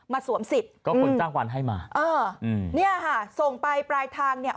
สวมสิทธิ์ก็คนจ้างวันให้มาเอออืมเนี่ยค่ะส่งไปปลายทางเนี่ย